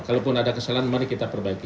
kalaupun ada kesalahan mari kita perbaiki